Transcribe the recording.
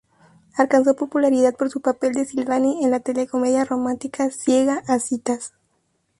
Alcanzó popularidad por su papel de Silvani en la telecomedia romántica "Ciega a citas".